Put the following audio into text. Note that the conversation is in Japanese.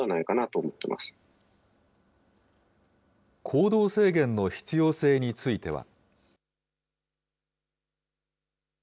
行動制限の必要性については。